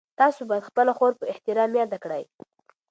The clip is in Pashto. تاسو باید خپله خور په احترام یاده کړئ.